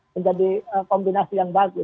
menjadi kombinasi yang bagus